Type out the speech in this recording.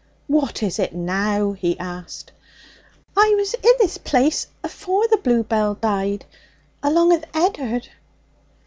'What is it now?' he asked. 'I was i' this place afore the bluebells died, along with Ed'ard.'